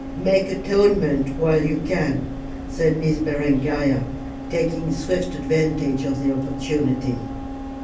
"Make atonement while you can," said Miss Berengaria, taking swift advantage of the opportunity.